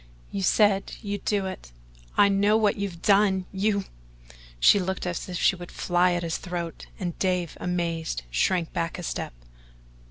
"You said you'd do it I know what you've done you " she looked as if she would fly at his throat, and Dave, amazed, shrank back a step.